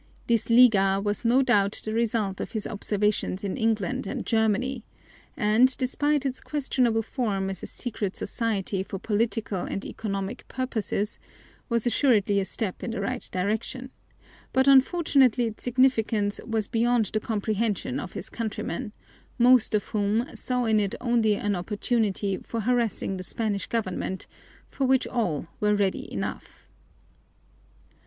This Liga was no doubt the result of his observations in England and Germany, and, despite its questionable form as a secret society for political and economic purposes, was assuredly a step in the right direction, but unfortunately its significance was beyond the comprehension of his countrymen, most of whom saw in it only an opportunity for harassing the Spanish government, for which all were ready enough.